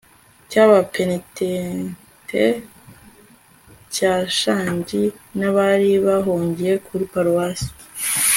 cy'abapenitente cya shangi n'abari bahungiye kuri paruwasi